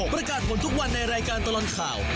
ประกาศผลทุกวันในรายการตลอดข่าว